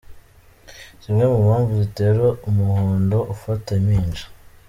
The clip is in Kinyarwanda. Zimwe mu mpamvu zitera Umuhondo ufata impinja.